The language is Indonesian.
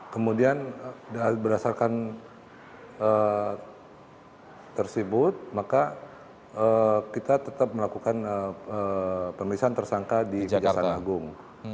kemudian berdasarkan tersebut maka kita tetap melakukan pemeriksaan tersangka di kejaksaan agung